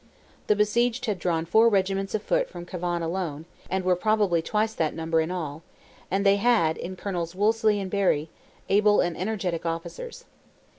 The besieged had drawn four regiments of foot from Cavan alone, and were probably twice that number in all; and they had, in Colonels Wolseley and Berry, able and energetic officers.